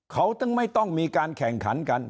เขาต้องไม่ต้องมีการแข่งขันกัน